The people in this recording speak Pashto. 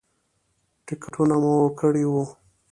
ټکټونه مو کړي وو.